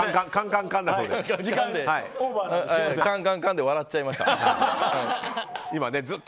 カンカンカンで笑っちゃいました。